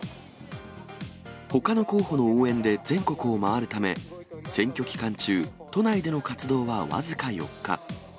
ほかの候補の応援で全国を回るため、選挙期間中、都内での活動は僅か４日。